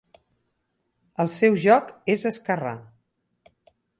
El seu joc és esquerrà.